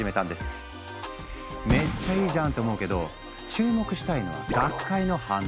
めっちゃいいじゃん！って思うけど注目したいのは学会の反応。